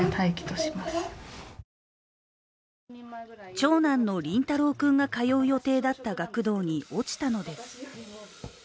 長男のりんたろう君が通う予定だった学童に落ちたのです。